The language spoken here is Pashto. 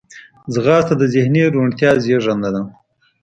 ځغاسته د ذهني روڼتیا زیږنده ده